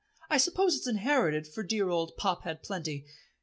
I suppose it's inherited, for dear old Pop had plenty.